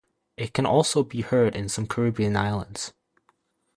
It can also be heard in some Caribbean islands.